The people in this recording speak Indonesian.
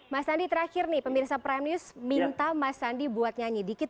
mas andi terakhir nih pemirsa prime news minta mas sandi buat nyanyi dikit